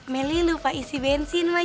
meli lupa isi bensin